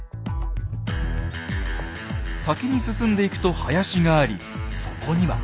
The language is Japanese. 先に進んでいくと林がありそこには。